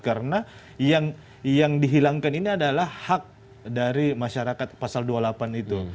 karena yang dihilangkan ini adalah hak dari masyarakat pasal dua puluh delapan itu